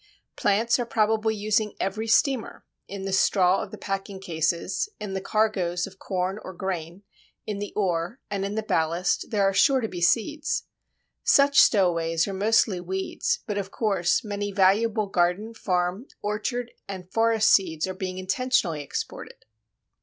Plants are probably using every steamer; in the straw of the packing cases, in the cargoes of corn or grain, in the ore, and in the ballast, there are sure to be seeds. Such stowaways are mostly weeds, but of course many valuable garden, farm, orchard, and forest seeds are being intentionally exported.